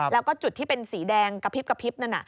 แล้วก็จุดที่เป็นสีแดงกระพริบนั่น